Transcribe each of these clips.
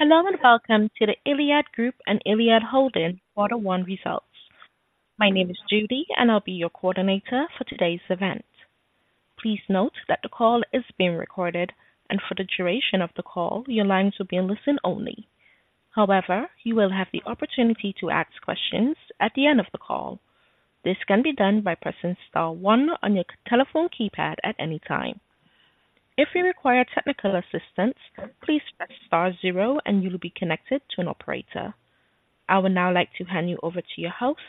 Hello, and welcome to the iliad Group and iliad Holding quarter one results. My name is Judy, and I'll be your coordinator for today's event. Please note that the call is being recorded, and for the duration of the call, your lines will be in listen only. However, you will have the opportunity to ask questions at the end of the call. This can be done by pressing star one on your telephone keypad at any time. If you require technical assistance, please press star zero and you'll be connected to an operator. I would now like to hand you over to your host,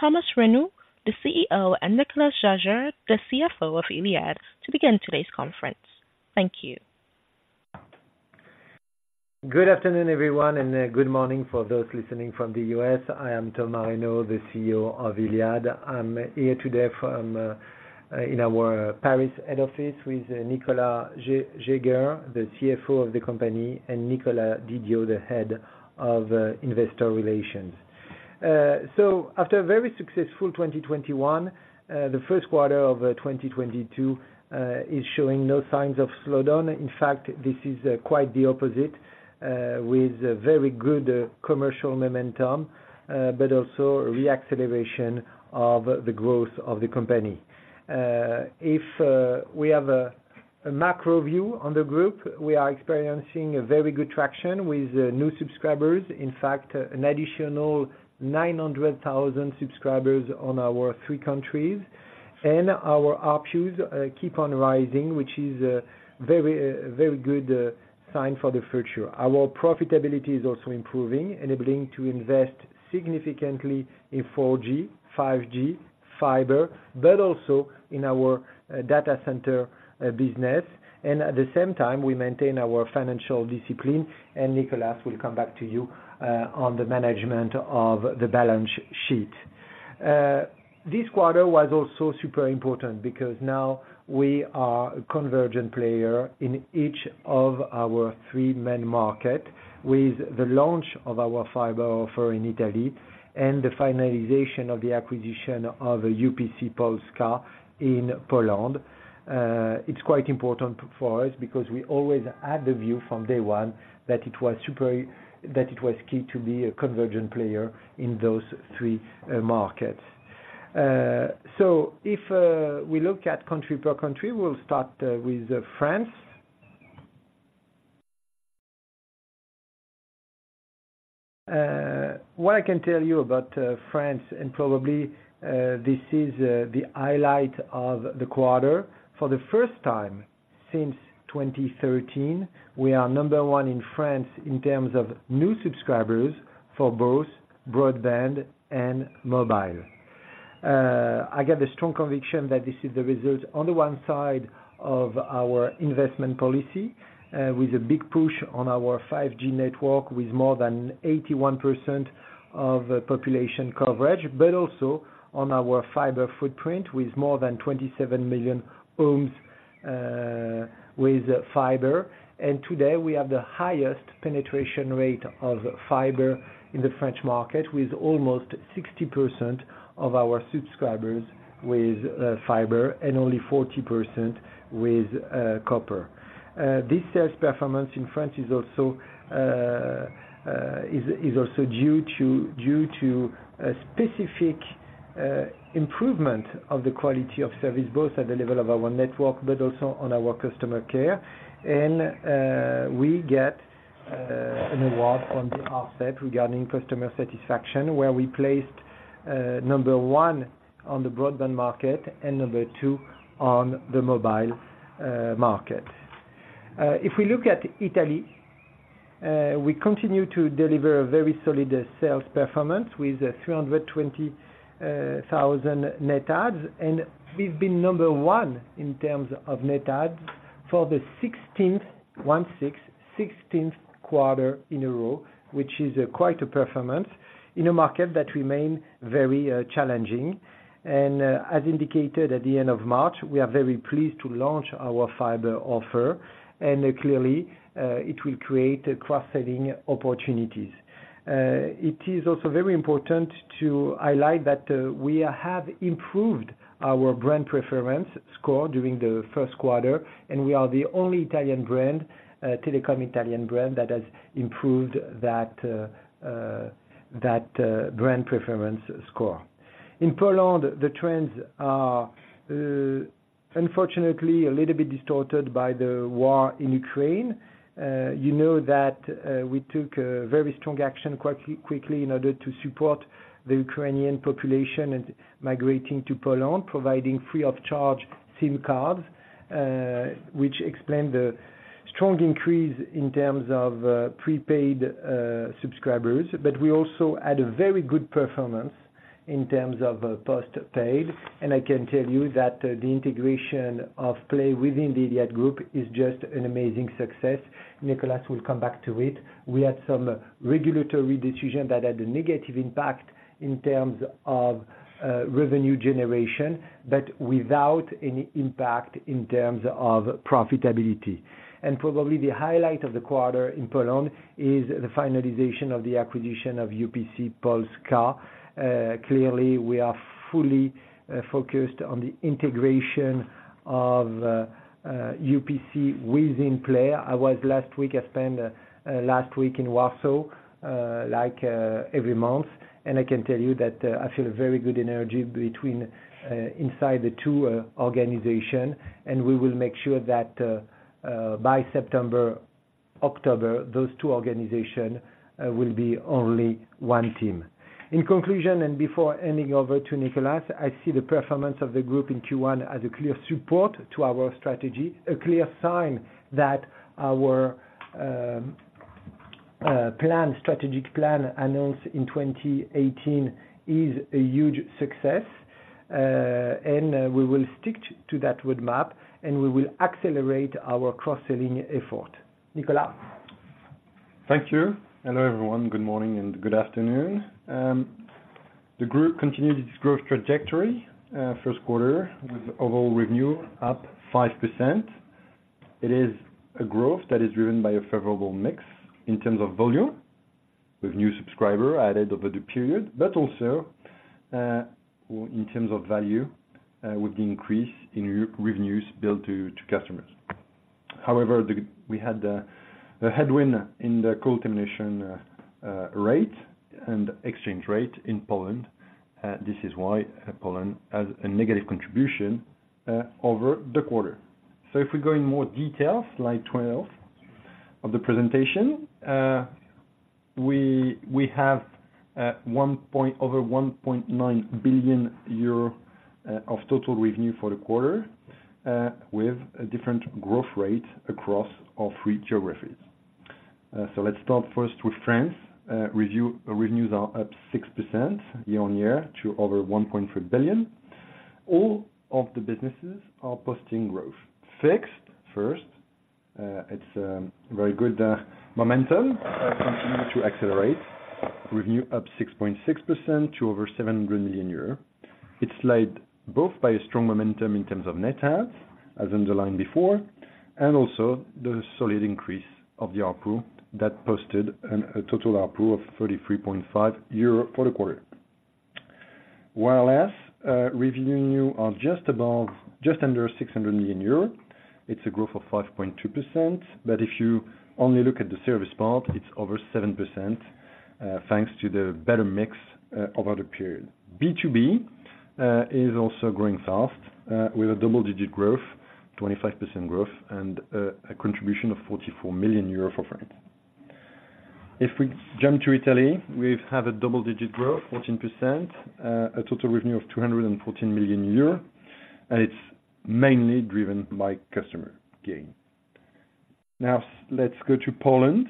Thomas Reynaud, the CEO, and Nicolas Jaeger, the CFO of iliad, to begin today's conference. Thank you. Good afternoon, everyone, and good morning for those listening from the U.S. I am Thomas Reynaud, the CEO of iliad. I'm here today in our Paris head office with Nicolas Jaeger, the CFO of the company, and Nicolas Didio, the Head of Investor Relations. After a very successful 2021, the first quarter of 2022 is showing no signs of slowdown. In fact, this is quite the opposite, with very good commercial momentum, but also re-acceleration of the growth of the company. If we have a macro view on the Group, we are experiencing a very good traction with new subscribers. In fact, an additional 900,000 subscribers in our three countries. Our ARPU keeps on rising, which is a very good sign for the future. Our profitability is also improving, enabling to invest significantly in 4G, 5G, fiber, but also in our data center business. At the same time, we maintain our financial discipline. Nicolas, we'll come back to you on the management of the balance sheet. This quarter was also super important because now we are a convergent player in each of our three main market. With the launch of our fiber offer in Italy, and the finalization of the acquisition of UPC Polska in Poland. It's quite important for us because we always had the view from day one that it was key to be a convergent player in those three markets. If we look at country per country, we'll start with France. What I can tell you about France, and probably this is the highlight of the quarter. For the first time since 2013, we are number one in France in terms of new subscribers for both broadband and mobile. I get the strong conviction that this is the result, on the one side of our investment policy, with a big push on our 5G network, with more than 81% of population coverage, but also on our fiber footprint, with more than 27 million homes with fiber. Today, we have the highest penetration rate of fiber in the French market, with almost 60% of our subscribers with fiber and only 40% with copper. This sales performance in France is also due to a specific improvement of the quality of service, both at the level of our network but also on our customer care. We get an award on the nPerf regarding customer satisfaction, where we placed number one on the broadband market and number two on the mobile market. If we look at Italy, we continue to deliver a very solid sales performance with 320,000 net adds. We've been number one in terms of net adds for the 16th quarter in a row, which is quite a performance in a market that remain very challenging. As indicated at the end of March, we are very pleased to launch our fiber offer, and clearly it will create cross-selling opportunities. It is also very important to highlight that we have improved our brand preference score during the first quarter, and we are the only Italian brand, telecom Italian brand that has improved that brand preference score. In Poland, the trends are unfortunately a little bit distorted by the war in Ukraine. You know that we took a very strong action quite quickly in order to support the Ukrainian population and migrating to Poland, providing free of charge SIM cards, which explained the strong increase in terms of prepaid subscribers. But we also had a very good performance in terms of postpaid. I can tell you that the integration of Play within the iliad Group is just an amazing success. Nicolas will come back to it. We had some regulatory decision that had a negative impact in terms of revenue generation, but without any impact in terms of profitability. Probably the highlight of the quarter in Poland is the finalization of the acquisition of UPC Polska. Clearly, we are fully focused on the integration of UPC within Play. I spent last week in Warsaw, like every month. I can tell you that I feel a very good energy between inside the two organization. We will make sure that by September-October, those two organization will be only one team. In conclusion and before handing over to Nicolas, I see the performance of the Group in Q1 as a clear support to our strategy, a clear sign that our plan, strategic plan announced in 2018 is a huge success. We will stick to that roadmap, and we will accelerate our cross-selling effort. Nicolas. Thank you. Hello, everyone. Good morning and good afternoon. The Group continued its growth trajectory in the first quarter with overall revenue up 5%. It is a growth that is driven by a favorable mix in terms of volume with new subscribers added over the period, but also in terms of value with the increase in revenues billed to customers. However, we had a headwind in the call termination rate and exchange rate in Poland. This is why Poland has a negative contribution over the quarter. If we go in more detail, slide 12 of the presentation. We have over 1.9 billion euro of total revenue for the quarter with a different growth rate across all three geographies. Let's start first with France. Revenues are up 6% year-on-year to over 1.3 billion. All of the businesses are posting growth. Fixed first, it's very good momentum continue to accelerate. Revenue up 6.6% to over 700 million euros. It's led both by a strong momentum in terms of net adds, as underlined before, and also the solid increase of the ARPU that posted a total ARPU of 33.5 euro for the quarter. Wireless revenue are just under 600 million euro. It's a growth of 5.2%, but if you only look at the service part, it's over 7% thanks to the better mix over the period. B2B is also growing fast with a double-digit growth, 25% growth and a contribution of 44 million euro for France. If we jump to Italy, we have a double-digit growth, 14%. A total revenue of 214 million euros. It's mainly driven by customer gain. Now let's go to Poland.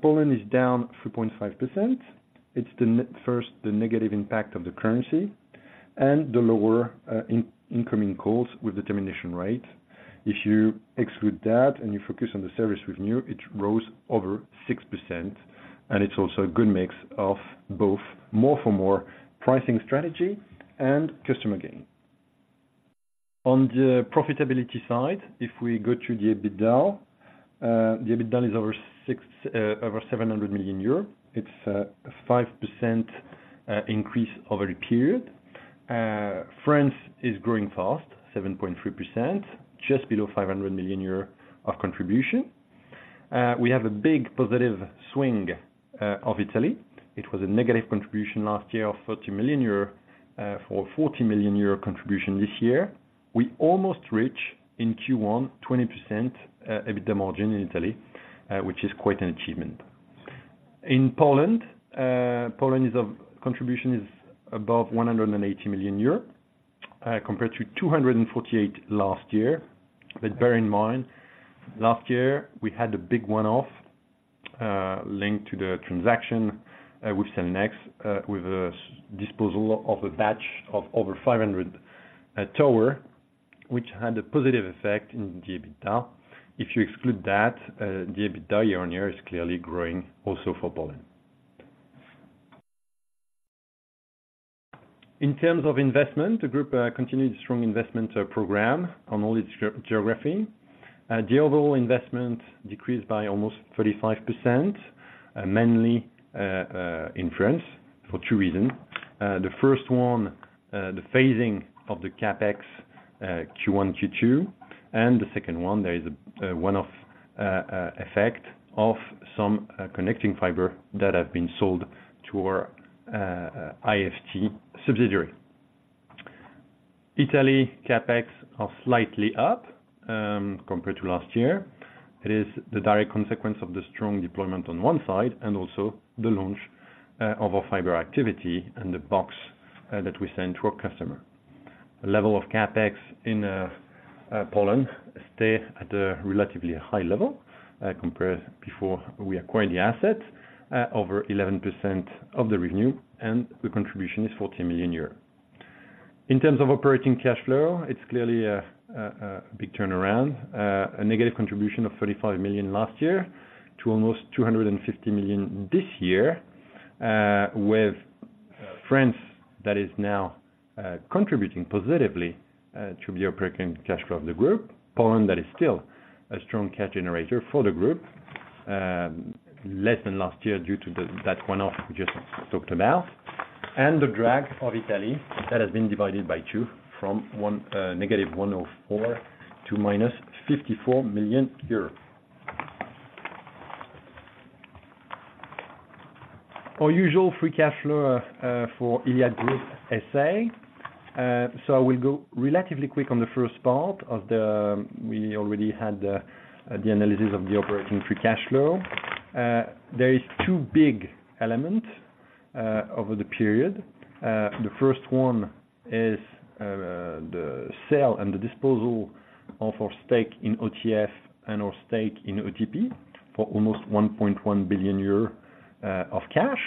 Poland is down 3.5%. It's the negative impact of the currency and the lower incoming calls with the termination rate. If you exclude that and you focus on the service revenue, it rose over 6%, and it's also a good mix of both more for more pricing strategy and customer gain. On the profitability side, if we go to the EBITDA, the EBITDA is over 700 million euro. It's a 5% increase over the period. France is growing fast, 7.3%, just below 500 million euros of contribution. We have a big positive swing of Italy. It was a negative contribution last year of 40 million euro for EUR 40 million contribution this year. We almost reach, in Q1, 20% EBITDA margin in Italy, which is quite an achievement. In Poland contribution is above 180 million euros, compared to 248 last year. Bear in mind, last year, we had a big one-off linked to the transaction with Cellnex with a disposal of a batch of over 500 tower, which had a positive effect in the EBITDA. If you exclude that, the EBITDA year on year is clearly growing also for Poland. In terms of investment, the Group continued a strong investment program on all its geographies. The overall investment decreased by almost 35%, mainly in France for two reasons. The first one, the phasing of the CapEx, Q1, Q2, and the second one, there is a one-off effect of some connecting fiber that has been sold to our IFT subsidiary. Italy CapEx is slightly up, compared to last year. It is the direct consequence of the strong deployment on one side and also the launch of our fiber activity and the box that we send to our customer. The level of CapEx in Poland stay at a relatively high level, compared before we acquired the asset, over 11% of the revenue, and the contribution is 40 million euros. In terms of operating cash flow, it's clearly a big turnaround. A negative contribution of 35 million last year to almost 250 million this year, with France that is now contributing positively to the operating cash flow of the Group. Poland, that is still a strong cash generator for the Group, less than last year due to that one-off we just talked about. The drag of Italy that has been divided by two from negative -104 million to -54 million euros. Our usual free cash flow for iliad Group S.A. I will go relatively quick on the first part. We already had the analysis of the operating free cash flow. There is two big element over the period. The first one is the sale and the disposal of our stake in OTF and our stake in OTP for almost 1.1 billion euros of cash.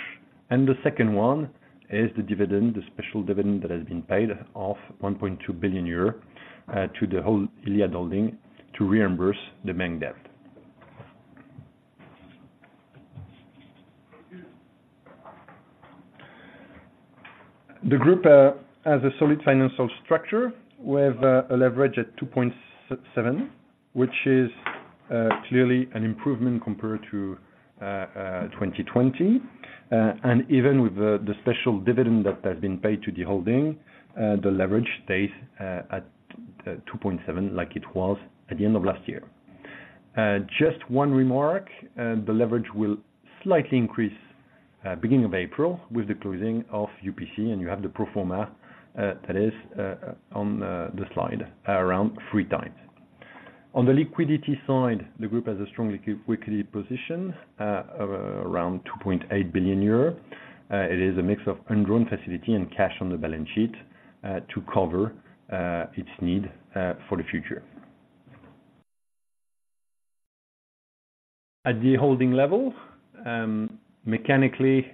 The second one is the dividend, the special dividend that has been paid of 1.2 billion euro to the whole iliad Holding to reimburse the main debt. The Group has a solid financial structure with a leverage at 2.7x, which is clearly an improvement compared to 2020. Even with the special dividend that has been paid to the holding, the leverage stays at 2.7x like it was at the end of last year. Just one remark, the leverage will slightly increase beginning of April with the closing of UPC, and you have the pro forma that is on the slide around 3x. On the liquidity side, the Group has a strong liquidity position of around 2.8 billion euros. It is a mix of undrawn facility and cash on the balance sheet to cover its need for the future. At the holding level, mechanically,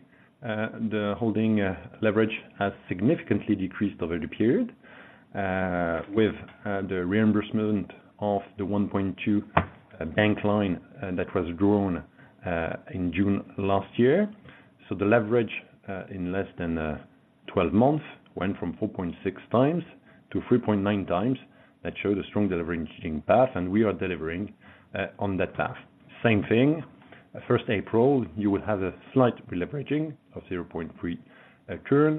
the holding leverage has significantly decreased over the period with the reimbursement of the 1.2 bank line that was drawn in June last year. The leverage in less than 12 months went from 4.6x-3.9x. That shows a strong de-leveraging path, and we are delivering on that path. Same thing, first April, you will have a slight deleveraging of 0.3 turn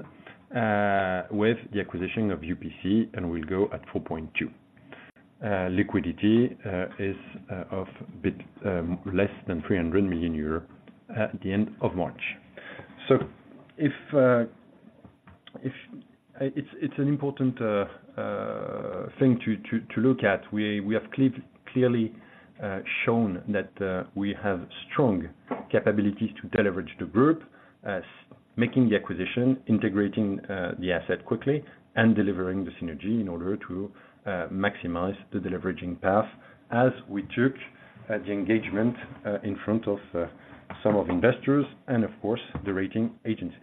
with the acquisition of UPC, and we'll go at 4.2. Liquidity is a bit less than 300 million euro at the end of March. It's an important thing to look at. We have clearly shown that we have strong capabilities to deleverage the Group in making the acquisition, integrating the asset quickly, and delivering the synergy in order to maximize the deleveraging path as we took the engagement in front of some investors and of course, the rating agencies.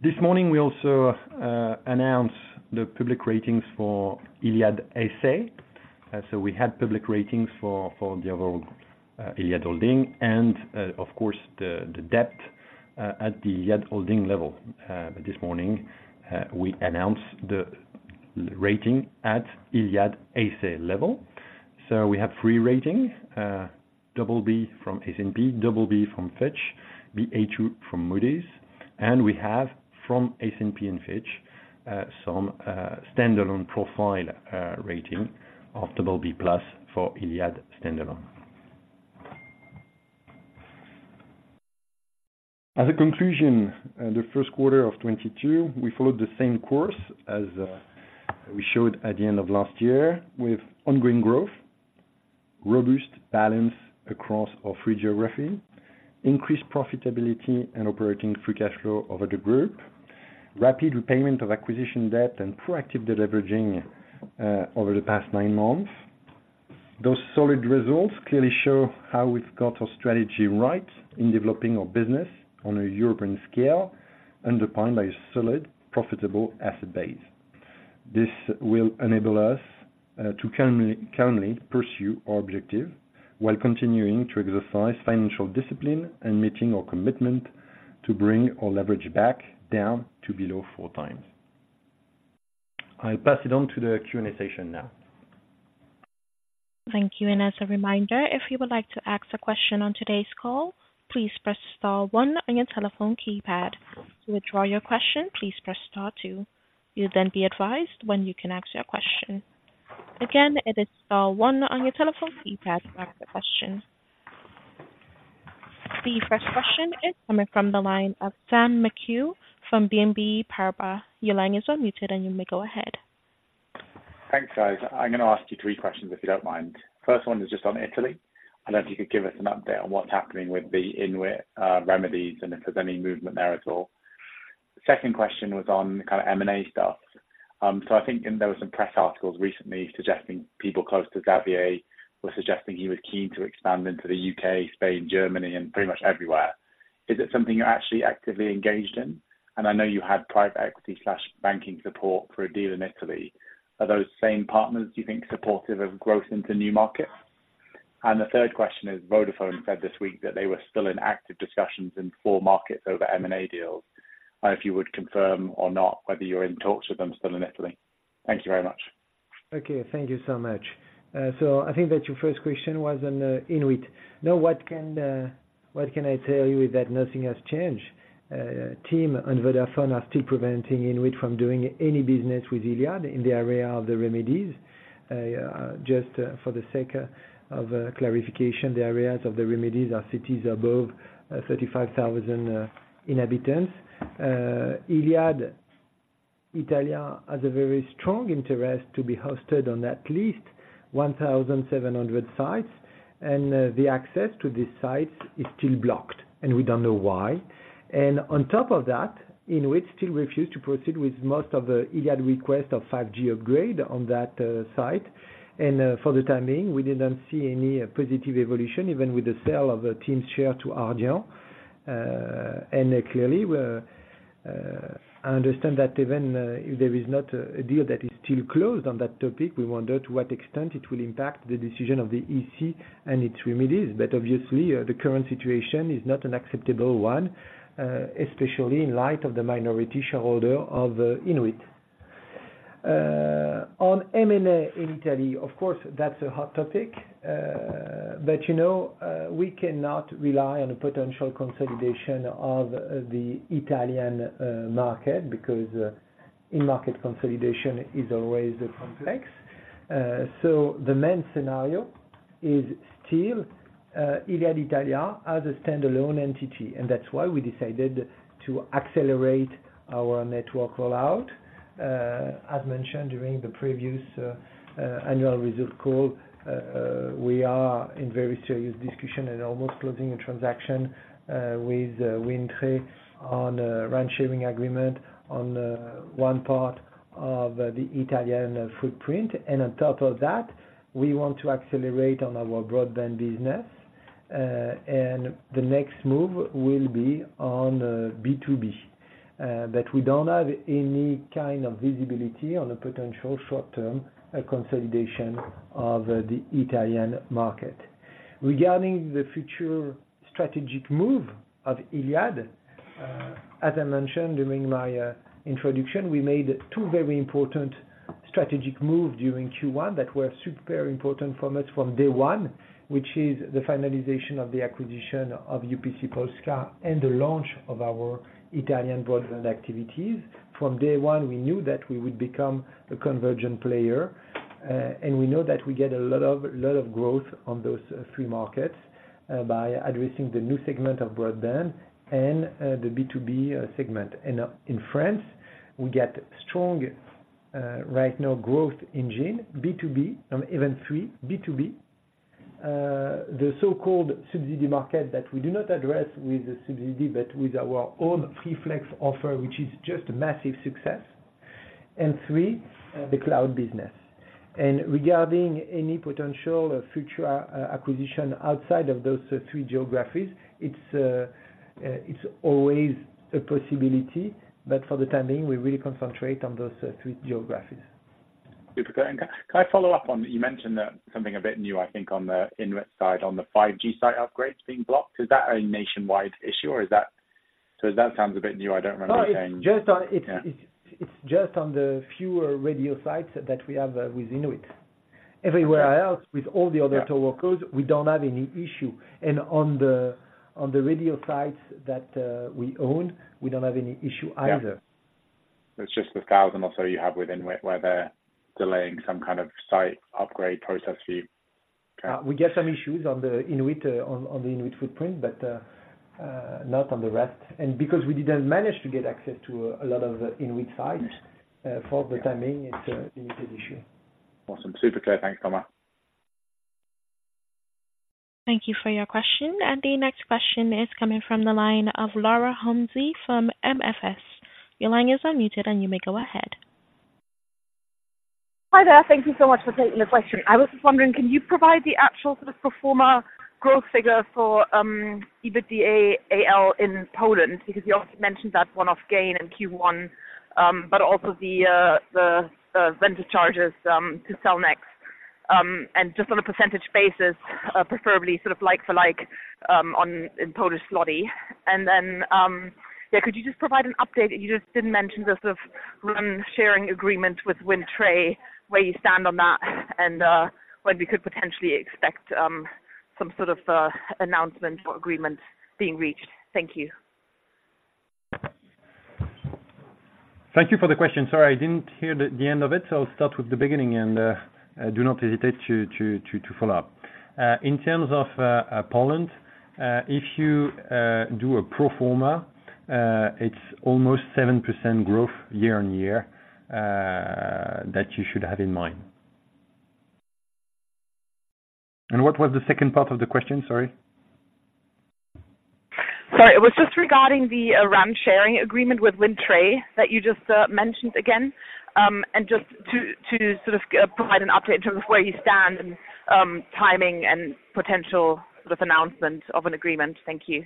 This morning, we also announced the public ratings for iliad S.A. We had public ratings for the overall iliad Holding and of course, the debt at the iliad Holding level. This morning, we announced the rating at iliad S.A. level. We have three ratings, BB from S&P, BB from Fitch, Ba2 from Moody's, and we have from S&P and Fitch some standalone profile rating of BB+ for iliad standalone. As a conclusion, the first quarter of 2022, we followed the same course as we showed at the end of last year with ongoing growth, robust balance across our three geographies, increased profitability and operating free cash flow over the Group, rapid repayment of acquisition debt and proactive deleveraging over the past nine months. Those solid results clearly show how we've got our strategy right in developing our business on a European scale, underpinned by a solid profitable asset base. This will enable us to calmly pursue our objective while continuing to exercise financial discipline and meeting our commitment to bring our leverage back down to below four times. I'll pass it on to the Q&A session now. Thank you. As a reminder, if you would like to ask a question on today's call, please press star one on your telephone keypad. To withdraw your question, please press star two. You'll then be advised when you can ask your question. Again, it is star one on your telephone keypad to ask a question. The first question is coming from the line of Sam McHugh from BNP Paribas. Your line is unmuted, and you may go ahead. Thanks, guys. I'm gonna ask you three questions, if you don't mind. First one is just on Italy. I don't know if you could give us an update on what's happening with the INWIT remedies and if there's any movement there at all. The second question was on kind of M&A stuff. I think there were some press articles recently suggesting people close to Xavier were suggesting he was keen to expand into the U.K., Spain, Germany, and pretty much everywhere. Is it something you're actually actively engaged in? I know you had private equity and banking support for a deal in Italy. Are those same partners, do you think, supportive of growth into new markets? The third question is Vodafone said this week that they were still in active discussions in four markets over M&A deals. If you would confirm or not whether you're in talks with them still in Italy? Thank you very much. Okay. Thank you so much. I think that your first question was on INWIT. Now, what can I tell you is that nothing has changed. TIM and Vodafone are still preventing INWIT from doing any business with iliad in the area of the remedies. Just for the sake of clarification, the areas of the remedies are cities above 35,000 inhabitants. iliad Italia has a very strong interest to be hosted on at least 1,700 sites, and the access to these sites is still blocked, and we don't know why. On top of that, INWIT still refuse to proceed with most of the iliad request of 5G upgrade on that site. For the time being, we didn't see any positive evolution, even with the sale of a TIM share to Ardian. Clearly, we're, I understand that even if there is not a deal that is still closed on that topic, we wonder to what extent it will impact the decision of the EC and its remedies. Obviously, the current situation is not an acceptable one, especially in light of the minority shareholder of INWIT. On M&A in Italy, of course, that's a hot topic. You know, we cannot rely on a potential consolidation of the Italian market because in market consolidation is always complex. The main scenario is still iliad Italia as a standalone entity, and that's why we decided to accelerate our network rollout. As mentioned during the previous annual results call, we are in very serious discussion and almost closing a transaction with Wind Tre on a revenue sharing agreement on one part of the Italian footprint. On top of that, we want to accelerate on our broadband business, and the next move will be on B2B, but we don't have any kind of visibility on the potential short term consolidation of the Italian market. Regarding the future strategic move of iliad, as I mentioned during my introduction, we made two very important strategic move during Q1 that were super important for us from Day One, which is the finalization of the acquisition of UPC Polska and the launch of our Italian broadband activities. From day one, we knew that we would become a convergent player, and we know that we get a lot of growth on those three markets by addressing the new segment of broadband and the B2B segment. In France, we get strong right now growth engine B2B on even three B2B the so-called subsidized market that we do not address with the subsidy, but with our own Free Flex offer, which is just massive success. Three, the cloud business. Regarding any potential future acquisition outside of those three geographies, it's always a possibility. For the time being, we really concentrate on those three geographies. Super clear. Can I follow up on that? You mentioned something a bit new, I think, on the INWIT side, on the 5G site upgrades being blocked. Is that a nationwide issue or is that? That sounds a bit new. I don't remember you saying. No, it's just on. Yeah. It's just on the fewer radio sites that we have with INWIT. Everywhere else, with all the other TowerCos, we don't have any issue. On the radio sites that we own, we don't have any issue either. Yeah. It's just the 1,000 or so you have with INWIT where they're delaying some kind of site upgrade process for you. Okay. We get some issues on the INWIT footprint, but not on the rest. Because we didn't manage to get access to a lot of INWIT sites, for the time being, it's a limited issue. Awesome. Super clear. Thanks, Thomas. Thank you for your question. The next question is coming from the line of Laura Homsy from MFS. Your line is unmuted and you may go ahead. Hi there. Thank you so much for taking the question. I was just wondering, can you provide the actual sort of pro forma growth figure for EBITDAaL in Poland, because you also mentioned that one-off gain in Q1, but also the vendor charges to Cellnex? Just on a percentage basis, preferably sort of like for like, in Polish zloty. Then, yeah, could you just provide an update? You just didn't mention the sort of RAN sharing agreement with Wind Tre, where you stand on that and when we could potentially expect some sort of announcement or agreement being reached. Thank you. Thank you for the question. Sorry, I didn't hear the end of it, so I'll start with the beginning and do not hesitate to follow up. In terms of Poland, if you do a pro forma, it's almost 7% growth year-on-year that you should have in mind. What was the second part of the question? Sorry. Sorry. It was just regarding the RAN sharing agreement with Wind Tre that you just mentioned again. Just to sort of provide an update in terms of where you stand and timing and potential sort of announcement of an agreement. Thank you.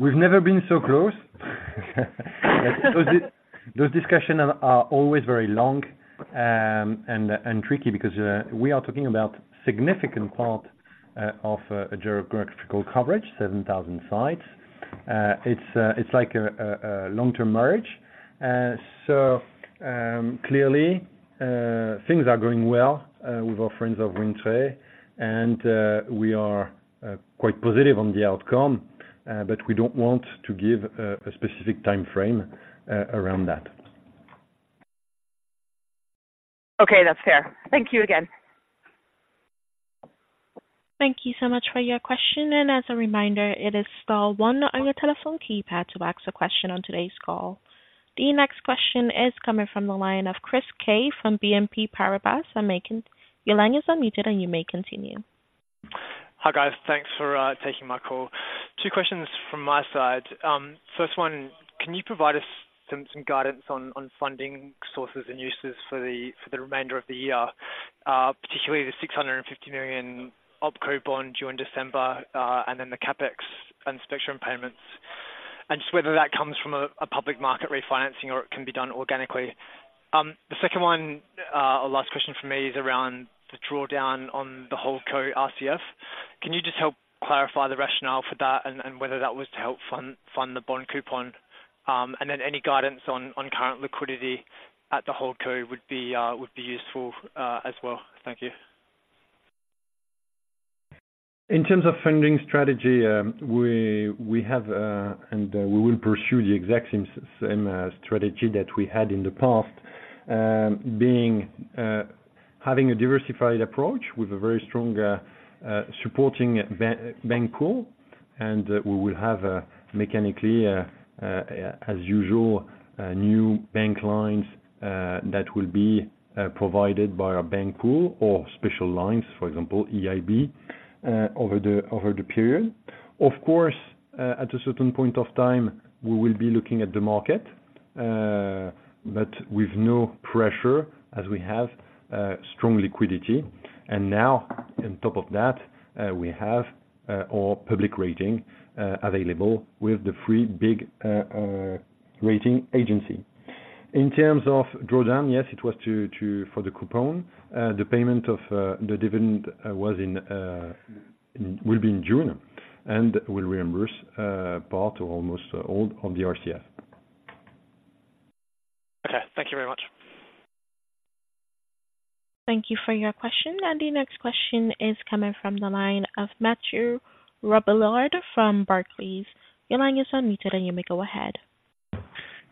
We've never been so close. Those discussions are always very long and tricky because we are talking about significant part of a geographical coverage, 7,000 sites. It's like a long-term marriage. Clearly, things are going well with our friends of Wind Tre, and we are quite positive on the outcome, but we don't want to give a specific timeframe around that. Okay, that's fair. Thank you again. Thank you so much for your question. As a reminder, it is star one on your telephone keypad to ask a question on today's call. The next question is coming from the line of Chris Kay from BNP Paribas. Your line is unmuted, and you may continue. Hi, guys. Thanks for taking my call. Two questions from my side. First one, can you provide us some guidance on funding sources and uses for the remainder of the year, particularly the 650 million OpCo bond due in December, and then the CapEx and spectrum payments, and just whether that comes from a public market refinancing or it can be done organically. The second one, or last question from me is around the drawdown on the HoldCo RCF. Can you just help clarify the rationale for that and whether that was to help fund the bond coupon? Then any guidance on current liquidity at the HoldCo would be useful, as well. Thank you. In terms of funding strategy, we have and we will pursue the exact same strategy that we had in the past, being having a diversified approach with a very strong supporting bank pool. We will have mechanically, as usual, new bank lines that will be provided by our bank pool or special lines, for example, EIB, over the period. Of course, at a certain point of time, we will be looking at the market, but with no pressure as we have strong liquidity. Now, on top of that, we have our public rating available with the three big rating agency. In terms of drawdown, yes, it was to for the coupon. The payment of the dividend will be in June. We'll reimburse part or almost all of the RCF. Okay, thank you very much. Thank you for your question. The next question is coming from the line of Mathieu Robilliard from Barclays. Your line is unmuted, and you may go ahead.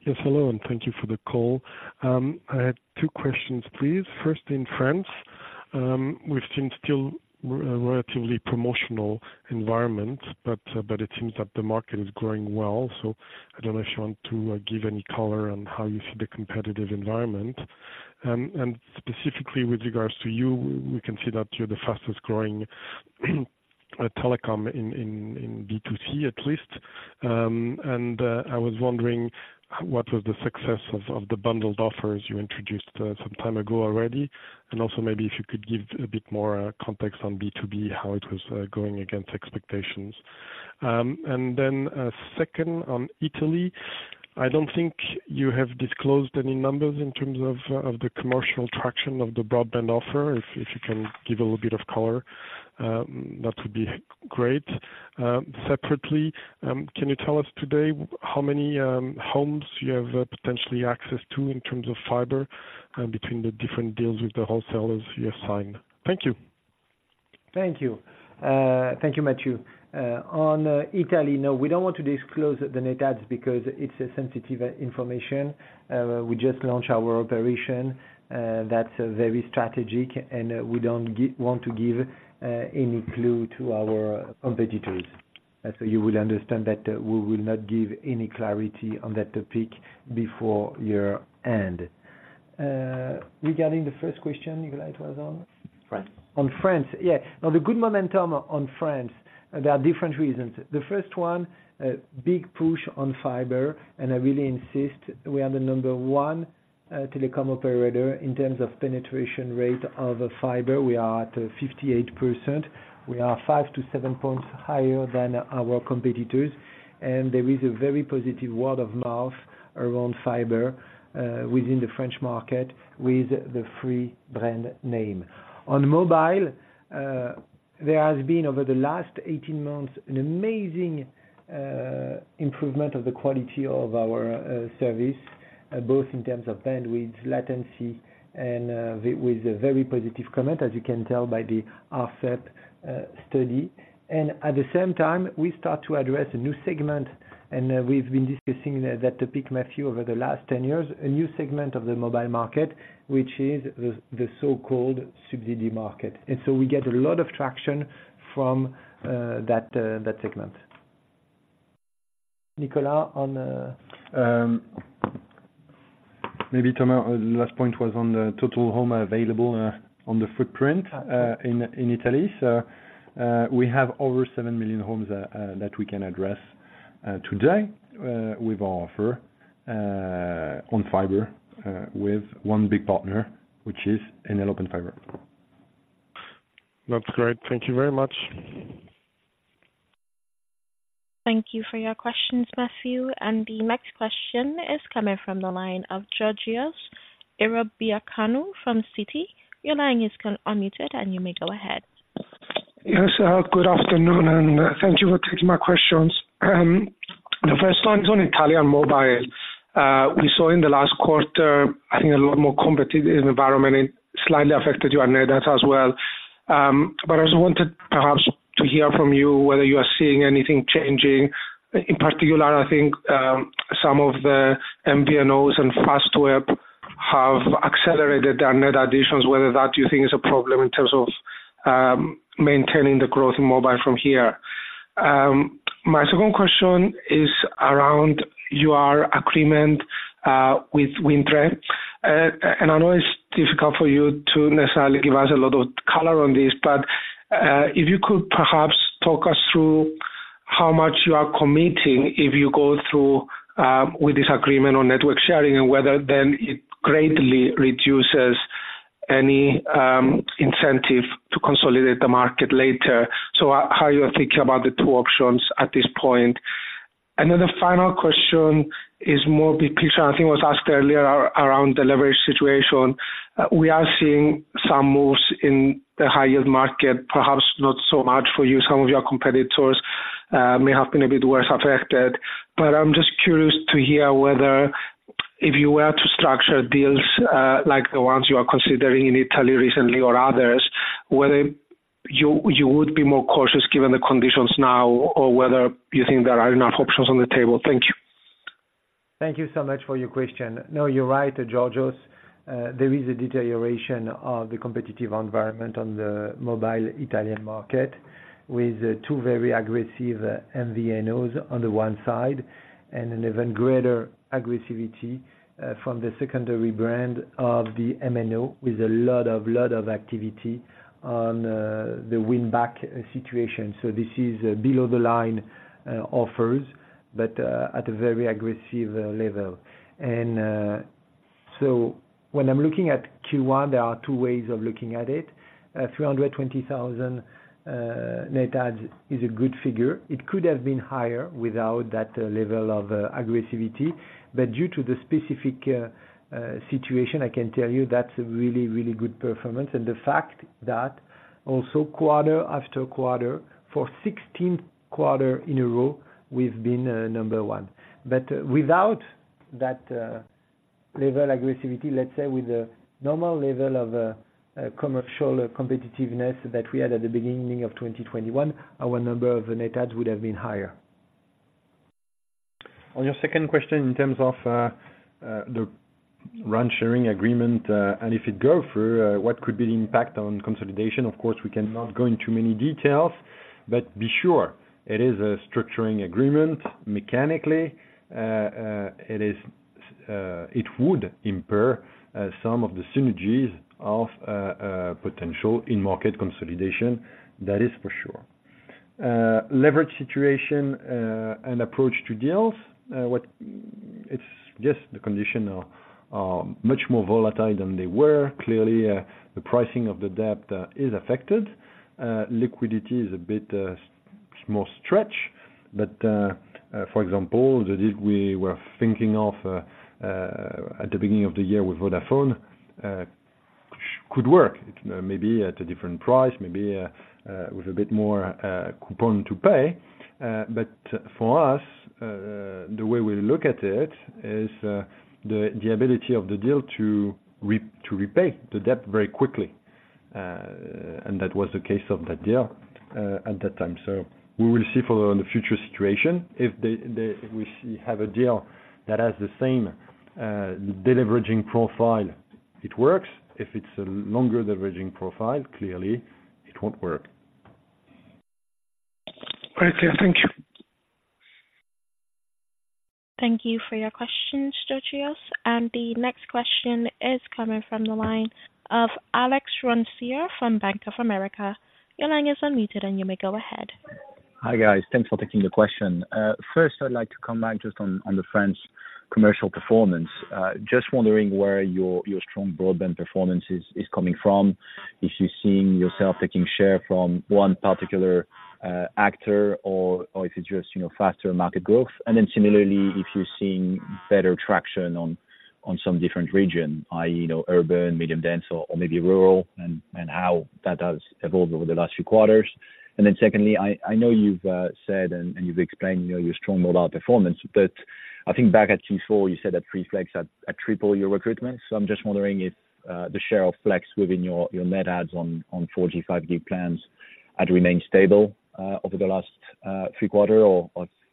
Yes, hello, and thank you for the call. I had two questions, please. First, in France, we've seen still relatively promotional environment, but it seems that the market is growing well. I don't know if you want to give any color on how you see the competitive environment. Specifically with regards to you, we can see that you're the fastest growing, a telecom in B2C at least. I was wondering what was the success of the bundled offers you introduced, some time ago already. Also maybe if you could give a bit more context on B2B, how it was going against expectations. Second, on Italy, I don't think you have disclosed any numbers in terms of the commercial traction of the broadband offer. If you can give a little bit of color, that would be great. Separately, can you tell us today how many homes you have potentially access to in terms of fiber between the different deals with the wholesalers you have signed? Thank you. Thank you. Thank you, Mathieu. On Italy, no, we don't want to disclose the net adds because it's a sensitive information. We just launched our operation. That's very strategic, and we don't want to give any clue to our competitors. You will understand that we will not give any clarity on that topic before year-end. Regarding the first question, Nicolas, it was on? France. On France. Yeah. Now, the good momentum on France, there are different reasons. The first one, a big push on fiber, and I really insist we are the number one telecom operator in terms of penetration rate of fiber. We are at 58%. We are 5-7 points higher than our competitors. There is a very positive word of mouth around fiber within the French market with the Free brand name. On mobile, there has been, over the last 18 months, an amazing improvement of the quality of our service both in terms of bandwidth, latency, and with a very positive comment, as you can tell by the nPerf study. At the same time, we start to address a new segment, and we've been discussing that topic, Mathieu, over the last 10 years. A new segment of the mobile market, which is the so-called subsidized market. We get a lot of traction from that segment. Nicolas, on- Maybe, Thomas, the last point was on the total home available on the footprint in Italy. We have over 7 million homes that we can address today with our offer on fiber with one big partner, which is Enel Open Fiber. That's great. Thank you very much. Thank you for your questions, Matthew. The next question is coming from the line of Georgios Ierodiaconou from Citi. Your line is now unmuted, and you may go ahead. Yes. Good afternoon, and thank you for taking my questions. The first one is on Italian mobile. We saw in the last quarter, I think a lot more competitive environment, it slightly affected your net as well. But I just wanted perhaps to hear from you whether you are seeing anything changing. In particular, I think, some of the MVNOs and Fastweb have accelerated their net additions. Whether that, you think, is a problem in terms of, maintaining the growth in mobile from here. My second question is around your agreement, with Wind Tre. I know it's difficult for you to necessarily give us a lot of color on this, but if you could perhaps talk us through how much you are committing if you go through with this agreement on network sharing, and whether then it greatly reduces any incentive to consolidate the market later. How you're thinking about the two options at this point. Then the final question is more big picture, and I think it was asked earlier around the leverage situation. We are seeing some moves in the high-yield market, perhaps not so much for you. Some of your competitors may have been a bit worse affected. I'm just curious to hear whether if you were to structure deals, like the ones you are considering in Italy recently or others, whether you would be more cautious given the conditions now or whether you think there are enough options on the table. Thank you. Thank you so much for your question. No, you're right, Georgios. There is a deterioration of the competitive environment on the mobile Italian market with two very aggressive MVNOs on the one side and an even greater aggressivity from the secondary brand of the MNO, with a lot of activity on the winback situation. This is below the line offers, but at a very aggressive level. When I'm looking at Q1, there are two ways of looking at it. 320,000 net adds is a good figure. It could have been higher without that level of aggressivity. Due to the specific situation, I can tell you that's a really, really good performance. The fact that also quarter after quarter, for 16th quarter in a row, we've been number one. Without that level aggressivity, let's say with the normal level of commercial competitiveness that we had at the beginning of 2021, our number of net adds would have been higher. On your second question in terms of the RAN sharing agreement and if it goes through, what could be the impact on consolidation, of course we cannot go into many details. Be sure it is a structuring agreement mechanically. It would impair some of the synergies of potential in-market consolidation, that is for sure. Leverage situation and approach to deals. It's just the conditions are much more volatile than they were. Clearly, the pricing of the debt is affected. Liquidity is a bit more stretched. For example, the deal we were thinking of at the beginning of the year with Vodafone could work. It may be at a different price, maybe, with a bit more coupon to pay. For us, the way we look at it is the ability of the deal to repay the debt very quickly. That was the case of that deal at that time. We will see for the future situation if we have a deal that has the same deleveraging profile. It works. If it's a longer deleveraging profile, clearly it won't work. Very clear. Thank you. Thank you for your questions, Georgios. The next question is coming from the line of Alex Roncier from Bank of America. Your line is unmuted, and you may go ahead. Hi, guys. Thanks for taking the question. First I'd like to come back just on the French commercial performance. Just wondering where your strong broadband performance is coming from, if you're seeing yourself taking share from one particular actor or if it's just, you know, faster market growth. Similarly, if you're seeing better traction on some different region, i.e., you know, urban, medium dense or maybe rural, and how that has evolved over the last few quarters. Secondly, I know you've said and you've explained, you know, your strong mobile performance, but I think back at Q4 you said that Free Flex had tripled your recruitment. I'm just wondering if the share of Flex within your net adds on 4G, 5G plans had remained stable over the last three quarters, or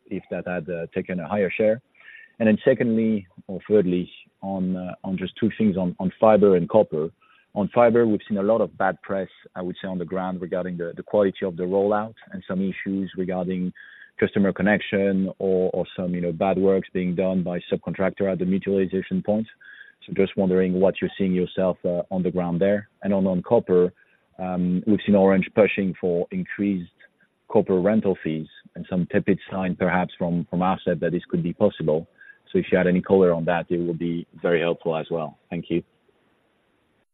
if that had taken a higher share. Then secondly or thirdly on just two things on fiber and copper. On fiber, we've seen a lot of bad press, I would say, on the ground regarding the quality of the rollout and some issues regarding customer connection or some, you know, bad works being done by subcontractors at the mutualization points. Just wondering what you're seeing yourself on the ground there. On copper, we've seen Orange pushing for increased copper rental fees and some tepid signs perhaps from ARCEP that this could be possible. If you had any color on that, it would be very helpful as well. Thank you.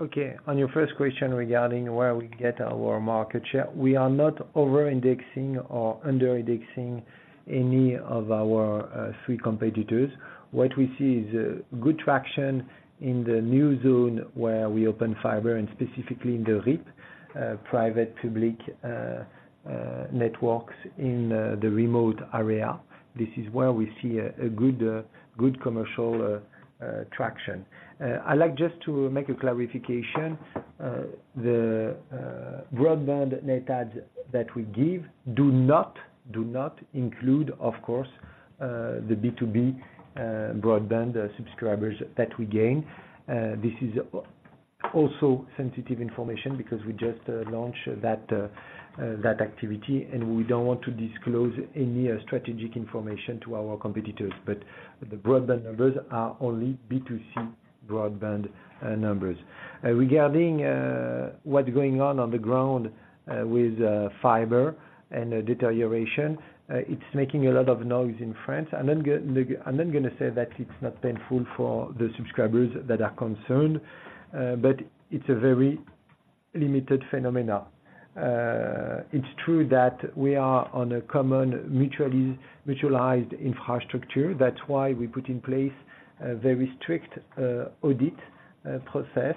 Okay. On your first question regarding where we get our market share, we are not over-indexing or under-indexing any of our three competitors. What we see is good traction in the new zone where we open fiber, and specifically in the RIP public-private networks in the remote area. This is where we see a good commercial traction. I'd like to make a clarification. The broadband net add that we give do not include, of course, the B2B broadband subscribers that we gain. This is also sensitive information because we just launched that activity, and we don't want to disclose any strategic information to our competitors. The broadband numbers are only B2C broadband numbers. Regarding what's going on on the ground with fiber and the deterioration, it's making a lot of noise in France. I'm not gonna say that it's not painful for the subscribers that are concerned, but it's a very limited phenomena. It's true that we are on a common mutualized infrastructure. That's why we put in place a very strict audit process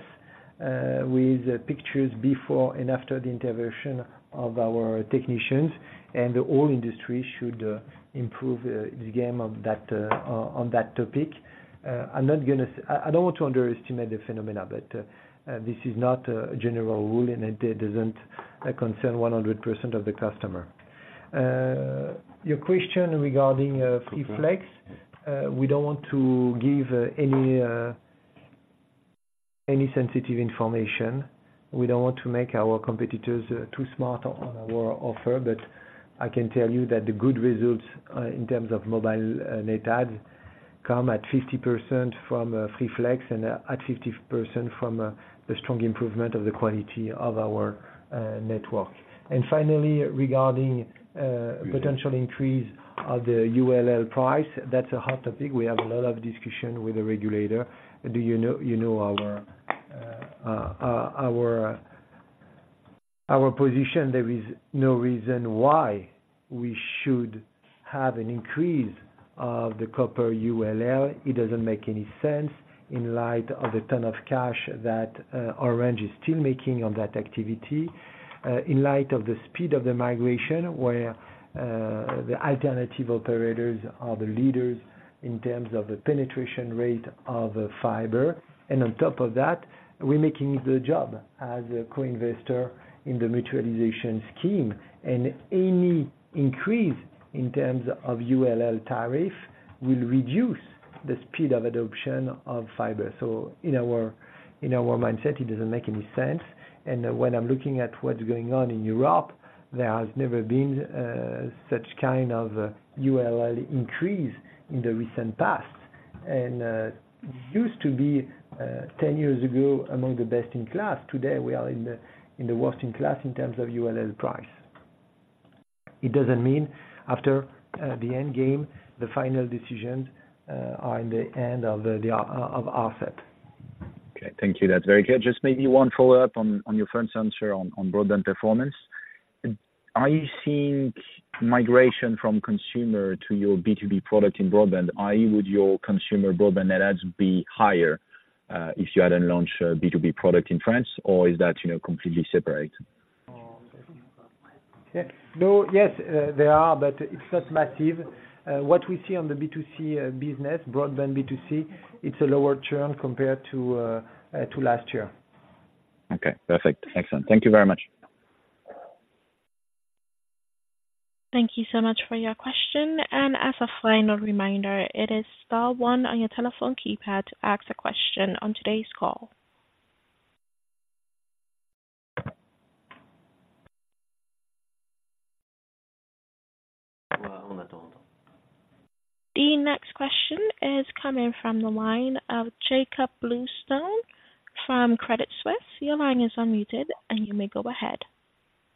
with pictures before and after the intervention of our technicians. The whole industry should improve the game on that topic. I don't want to underestimate the phenomena, but this is not a general rule, and it doesn't concern 100% of the customer. Your question regarding Free Flex, we don't want to give any sensitive information. We don't want to make our competitors too smart on our offer, but I can tell you that the good results in terms of mobile net adds come at 50% from Free Flex and at 50% from the strong improvement of the quality of our network. Finally, regarding potential increase of the ULL price, that's a hot topic. We have a lot of discussion with the regulator. Do you know, you know our position, there is no reason why we should have an increase of the copper ULL. It doesn't make any sense in light of the ton of cash that Orange is still making on that activity, in light of the speed of the migration, where the alternative operators are the leaders in terms of the penetration rate of fiber. On top of that, we're making the job as a co-investor in the mutualization scheme. Any increase in terms of ULL tariff will reduce the speed of adoption of fiber. In our mindset, it doesn't make any sense. When I'm looking at what's going on in Europe, there has never been such kind of ULL increase in the recent past. Used to be ten years ago, among the best in class. Today, we are in the worst in class in terms of ULL price. It doesn't mean after the end game, the final decisions are in the hands of ARCEP. Okay. Thank you. That's very clear. Just maybe one follow-up on your first answer on broadband performance. Are you seeing migration from consumer to your B2B product in broadband? I.e., would your consumer broadband net adds be higher if you hadn't launched a B2B product in France or is that, you know, completely separate? Yeah. No. Yes, they are, but it's not massive. What we see on the B2C business, broadband B2C, it's a lower churn compared to last year. Okay. Perfect. Excellent. Thank you very much. Thank you so much for your question. As a final reminder, it is star one on your telephone keypad to ask a question on today's call. The next question is coming from the line of Jakob Bluestone from Credit Suisse. Your line is unmuted, and you may go ahead.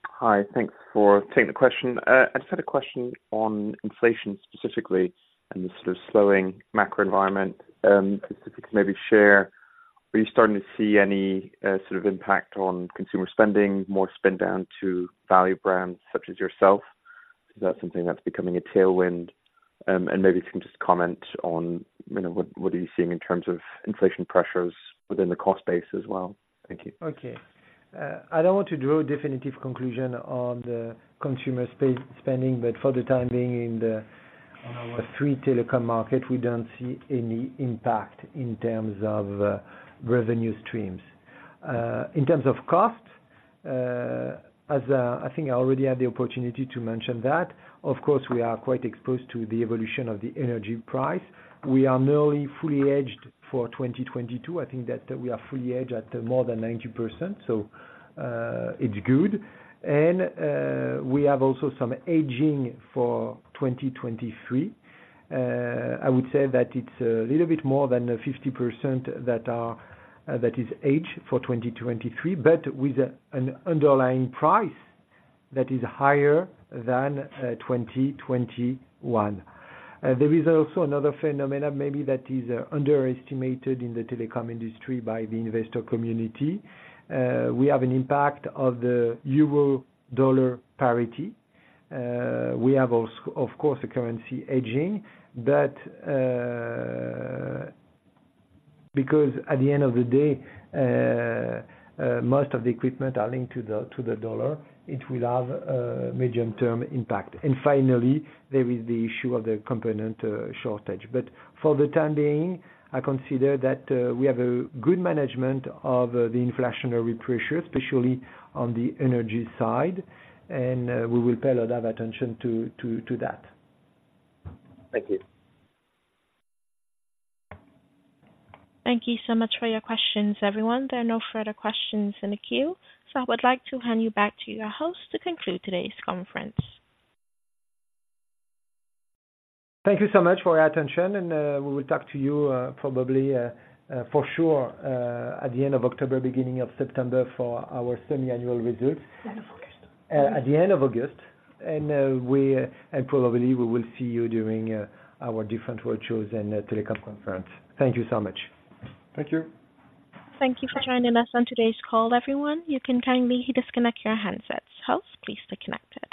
Hi. Thanks for taking the question. I just had a question on inflation specifically and the sort of slowing macro environment. If you could maybe share, are you starting to see any sort of impact on consumer spending more spend down to value brands such as yourself? Is that something that's becoming a tailwind? And maybe if you can just comment on, you know, what are you seeing in terms of inflation pressures within the cost base as well. Thank you. Okay. I don't want to draw a definitive conclusion on the consumer space spending, but for the time being in the, on our three telecom market, we don't see any impact in terms of, revenue streams. In terms of cost, as I think I already had the opportunity to mention that, of course, we are quite exposed to the evolution of the energy price. We are nearly fully hedged for 2022. I think that we are fully hedged at more than 90%, so, it's good. We have also some hedging for 2023. I would say that it's a little bit more than 50% that is hedged for 2023, but with an underlying price that is higher than 2021. There is also another phenomenon maybe that is underestimated in the telecom industry by the investor community. We have an impact of the euro dollar parity. We have also, of course, a currency hedging, but because at the end of the day, most of the equipment are linked to the dollar, it will have a medium term impact. Finally, there is the issue of the component shortage. For the time being, I consider that we have a good management of the inflationary pressure, especially on the energy side. We will pay a lot of attention to that. Thank you. Thank you so much for your questions, everyone. There are no further questions in the queue. I would like to hand you back to your host to conclude today's conference. Thank you so much for your attention. We will talk to you, probably, for sure, at the end of October, beginning of September for our semi-annual results. End of August. At the end of August. Probably we will see you during our different roadshows and telecom conference. Thank you so much. Thank you. Thank you for joining us on today's call, everyone. You can kindly disconnect your handsets. Host, please stay connected.